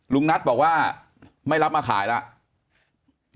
ลุงนัทบอกว่าไม่รับมาขายแล้ว